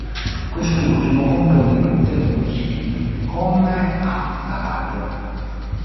Quest'ultimo compone tutte le musiche di "Comme à la radio".